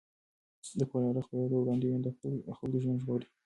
د کولرا خپرېدو وړاندوینه د خلکو ژوند ژغوري.